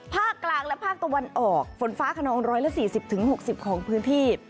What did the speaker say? ภาคกลางและภาคตะวันออกฝนฟ้าขนอง๑๔๐๖๐ของพื้นที่